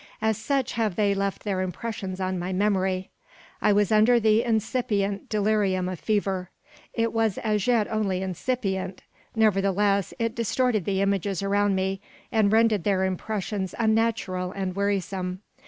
As such have they left their impressions on my memory. I was under the incipient delirium of fever. It was as yet only incipient; nevertheless, it distorted the images around me, and rendered their impressions unnatural and wearisome.